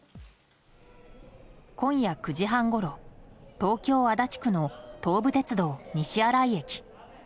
今夜９時半ごろ東京・足立区の東武鉄道西新井駅。